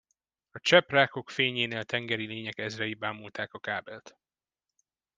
A csepp rákok fényénél tengeri lények ezrei bámulták a kábelt.